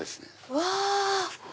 うわ！